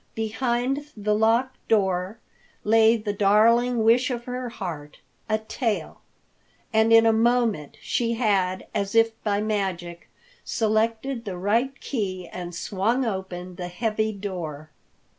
Behind the locked door lay the darling wish of her heart, a tail, and in a moment she had, as if by magic, selected the right key and swung open the heavy door.